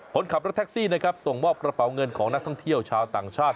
คนขับรถแท็กซี่นะครับส่งมอบกระเป๋าเงินของนักท่องเที่ยวชาวต่างชาติ